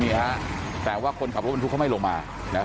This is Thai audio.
นี่นะครับแปลงว่าคนขับรถปันทุกเขาไม่ลงมา